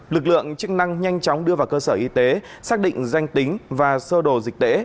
lực lượng chức năng nhanh chóng đưa vào cơ sở y tế xác định danh tính và sơ đồ dịch tễ